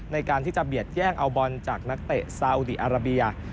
ในการที่จะเบียดแย่งเอาบอลจากนักเตะซาอุดีอาราเบีย